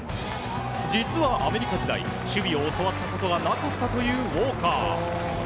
実は、アメリカ時代守備を教わったことがなかったというウォーカー。